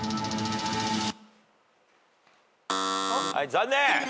残念。